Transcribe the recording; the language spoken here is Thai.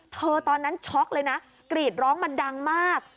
ตอนนั้นช็อกเลยนะกรีดร้องมันดังมาก